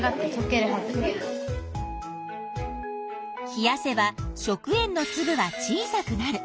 冷やせば食塩のつぶは小さくなる。